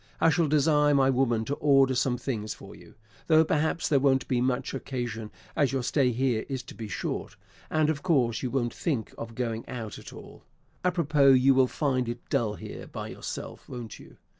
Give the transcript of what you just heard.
I shall desire my woman to order some things for you; though perhaps there won't be much occasion, as your stay here is to be short; and of course you won't think of going out at all. Apropos, you will find it dull here by yourself, won't you?